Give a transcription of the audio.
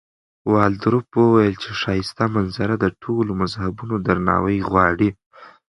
والډروف وویل چې ښایسته منظره د ټولو مذهبونو درناوی غواړي.